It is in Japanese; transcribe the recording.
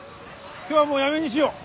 今日はもうやめにしよう。